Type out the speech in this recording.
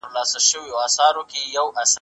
زه هره ورځ د سبا لپاره پلان جوړوم.